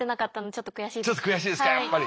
ちょっと悔しいですかやっぱり。